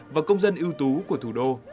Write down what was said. và công dân ưu tú của thủ đô